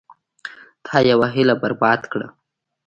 تا یوه هیله برباد کړه.